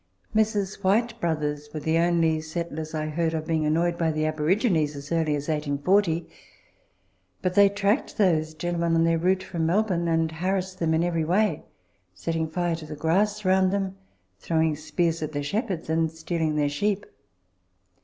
Messrs. Whyte Brothers were the only settlers I heard of being annoyed by the aborigines as early as 1840, but they tracked those gentlemen on their route from Melbourne, and harassed them in every way setting fire to the grass round them, throwing spears at their shepherds, and stealing their sheep.